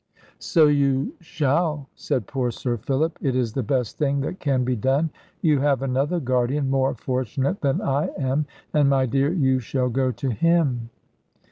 "So you shall," said poor Sir Philip; "it is the best thing that can be done. You have another guardian, more fortunate than I am; and, my dear, you shall go to him."